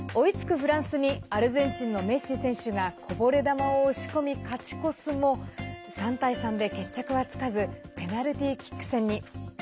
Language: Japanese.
フランスにアルゼンチンのメッシ選手がこぼれ球を押し込み勝ち越すも３対３で決着はつかずペナルティーキック戦に。